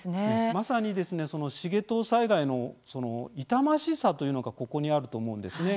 まさにその繁藤災害の痛ましさというのがここにあると思うんですね。